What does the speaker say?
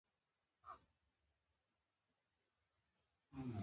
سپوږمۍ د کهف په خوب بیده ده